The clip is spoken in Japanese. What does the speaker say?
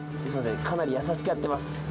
かなり優しくやってます。